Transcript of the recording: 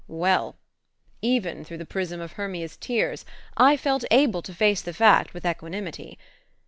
Well! even through the prism of Hermia's tears I felt able to face the fact with equanimity.